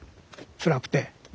つらくて。